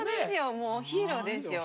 もうヒーローですよ。